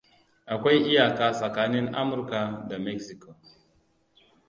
Akwai iyaka tsakanin Amurka da Meziko.